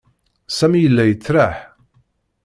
Sami yella yettraḥ.